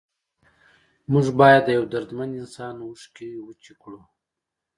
موږ باید د یو دردمند انسان اوښکې وچې کړو.